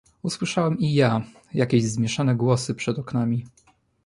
"Usłyszałem i ja jakieś zmieszane głosy przed oknami."